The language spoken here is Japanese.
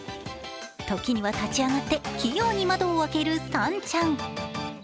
時には立ち上がって器用に窓を開けるさんちゃん。